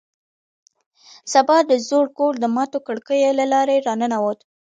سبا د زوړ کور د ماتو کړکیو له لارې راننوت